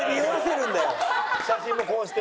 写真もこうして。